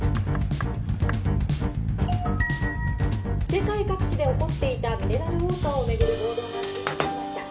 世界各地で起こっていたミネラルウオーターを巡る暴動が収束しました。